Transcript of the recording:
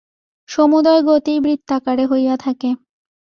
সমুদয় গতিই বৃত্তাকারে হইয়া থাকে।